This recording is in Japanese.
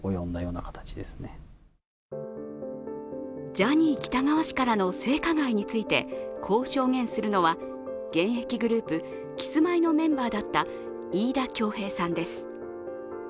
ジャニー喜多川氏からの性加害についてこう証言するのは現役グループ、キスマイのメンバーだった飯田恭平さんです。